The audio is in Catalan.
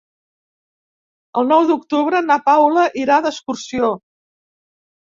El nou d'octubre na Paula irà d'excursió.